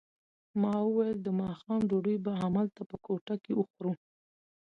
ما وویل د ماښام ډوډۍ به همدلته په کوټه کې وخورو.